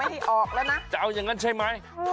ให้ออกแล้วนะจะเอาอย่างนั้นใช่ไหม